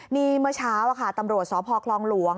นี่เมื่อเช้าตำรวจสพคลองหลวง